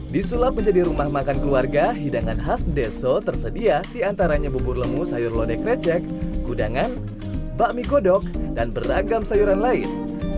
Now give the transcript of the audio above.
disulap menjadi rumah makan keluarga hidangan khas deso tersedia diantaranya bubur lemu sayur lode krecek kudangan bakmi godok dan beragam sayuran lain